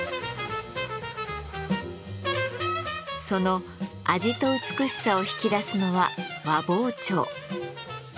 その味と美しさを引き出すのは和包丁。